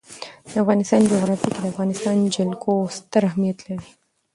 د افغانستان جغرافیه کې د افغانستان جلکو ستر اهمیت لري.